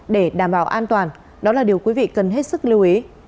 để đảm bảo an toàn đó là điều quý vị cần hết sức lưu ý